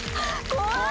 怖い！